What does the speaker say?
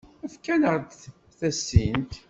Efk-aneɣ-d tasint.